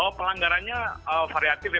pelanggarannya variatif ya